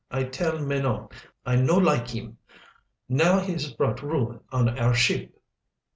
"I tell Menot I no like heem. Now he has brought ruin on our ship."